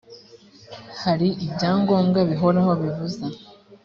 hari ibyangombwa bihoraho bibuza